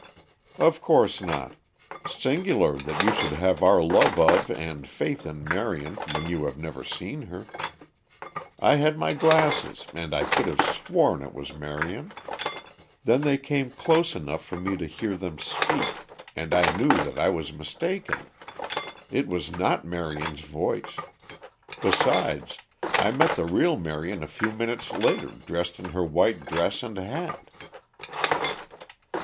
"Of course not. Singular that you should have our love of and faith in Marion when you have never seen her. I had my glasses and I could have sworn it was Marion. Then they came close enough for me to hear them speak, and I knew that I was mistaken. It was not Marion's voice. Besides, I met the real Marion a few minutes later dressed in her white dress and hat."